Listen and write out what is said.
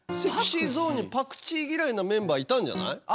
ＳｅｘｙＺｏｎｅにパクチー嫌いなメンバーいたんじゃない？